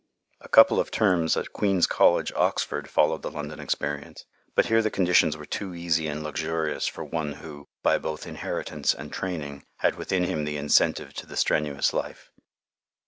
A couple of terms at Queen's College, Oxford, followed the London experience, but here the conditions were too easy and luxurious for one who, by both inheritance and training, had within him the incentive to the strenuous life.